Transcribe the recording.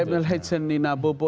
menjadi legend nina bobo